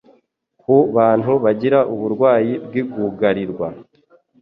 Ku bantu bagira uburwayi bw’igugarirwa